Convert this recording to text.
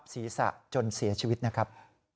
ศีรษะจนเสียชีวิตนะครับ